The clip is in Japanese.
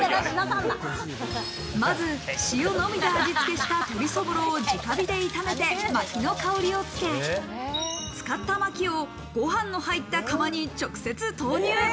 まず塩のみで味付けした鳥そぼろを直火で炒めて薪の香りを付け、使った薪をご飯の入った窯に直接投入。